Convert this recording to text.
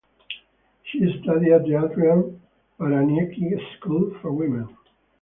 She studied at the Adrian Baraniecki School for Women.